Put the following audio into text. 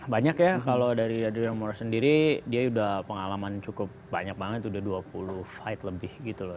banyak ya kalau dari adrian more sendiri dia udah pengalaman cukup banyak banget udah dua puluh fight lebih gitu loh